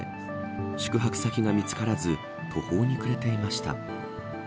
宿泊先が見つからず途方に暮れていました。